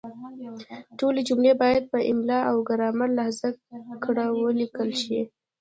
ټولې جملې باید په املایي او ګرامري لحاظ کره ولیکل شي.